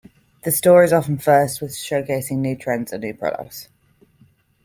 The store is often first with showcasing new trends and new products.